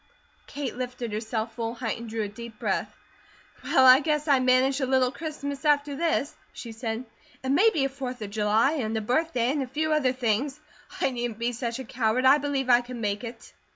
Kate lifted herself full height, and drew a deep breath. "Well, I guess I manage a little Christmas after this," she said, "and maybe a Fourth of July, and a birthday, and a few other things. I needn't be such a coward. I believe I can make it."